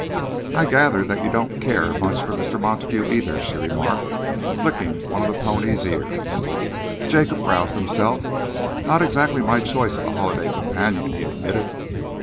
"I gather that you don't care much for Mr. Montague, either," she remarked, flicking one of the pony's ears. Jacob roused himself. "Not exactly my choice of a holiday companion," he admitted.